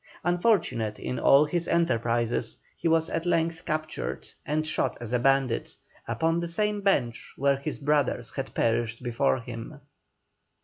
Unfortunate in all his enterprises, he was at length captured, and shot as a bandit, upon the same bench where his brothers had perished before him.